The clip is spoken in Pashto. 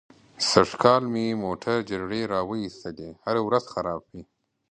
سږ کال مې موټر جرړې را و ایستلې. هره ورځ خراب وي.